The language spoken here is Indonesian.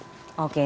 oke terima kasih